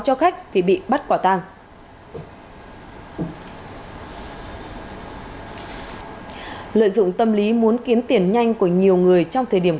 cho khách thì bị bắt quả tàng lợi dụng tâm lý muốn kiếm tiền nhanh của nhiều người trong thời điểm